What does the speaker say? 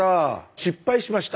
失敗しました。